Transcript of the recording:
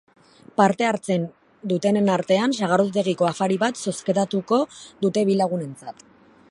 Parte hartzen dutenen artean, sagardotegiko afari bat zozketatuko dute bi lagunentzat.